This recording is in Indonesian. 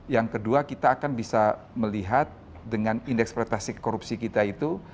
yang kedua kita akan bisa melihat dengan indeks prestasi korupsi kita itu